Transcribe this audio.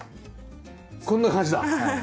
こんな感じだ。